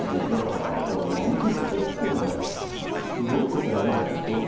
だから、アメリカ行ってもすごいことやるんじゃない？